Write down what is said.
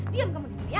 diam kamu di sini ya